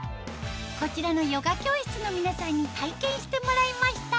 こちらのヨガ教室の皆さんに体験してもらいました